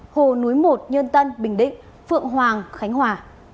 hồ núi một nhân tân bình định phượng hoàng khánh hòa